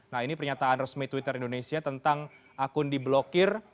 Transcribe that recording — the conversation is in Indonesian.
nah ini pernyataan resmi twitter indonesia tentang akun diblokir